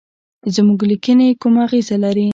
زموږ لیکني کومه اغیزه لري.